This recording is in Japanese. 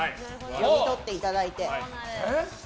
読み取っていただいて。